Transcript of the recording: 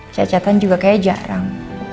cat catan juga kaya jarang